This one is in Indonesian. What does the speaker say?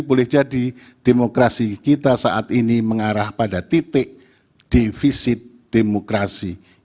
boleh jadi demokrasi kita saat ini mengarah pada titik defisit demokrasi